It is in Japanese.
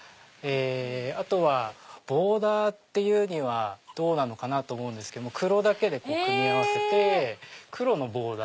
あとはボーダーって言うにはどうなのかなと思うんですけど黒だけで組み合わせて黒のボーダー。